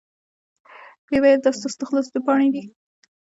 وې ویل دا ستاسو د خلاصیدو پاڼې دي.